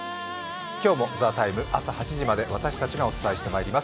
今日も「ＴＨＥＴＩＭＥ，」朝８時まで私たちがお伝えします。